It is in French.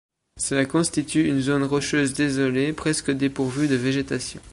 Cela constitue une zone rocheuse désolée presque dépourvue de végétation.